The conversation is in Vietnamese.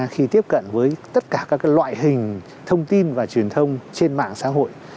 khi tiếp cận với tất cả các loại hình thông tin và truyền thông trên mạng xã hội